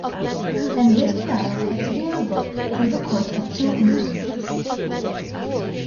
And this denial had to be revoked through the courts of two instances.